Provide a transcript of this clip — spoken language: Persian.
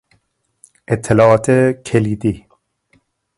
اطلاعات کلیدی